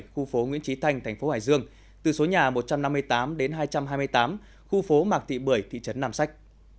khu phố nguyễn trí thành thành phố hải dương từ số nhà một trăm năm mươi tám đến hai trăm hai mươi tám khu phố mạc thị bưởi thị trấn nam sách